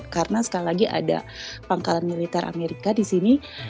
karena sekali lagi ada pangkalan militer amerika disini